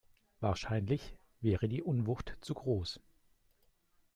Wahrscheinlich wäre die Unwucht zu groß.